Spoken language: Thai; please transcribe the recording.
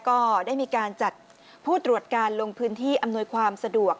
ก็ได้มีการจัดผู้ตรวจการลงพื้นที่อำนวยความสะดวก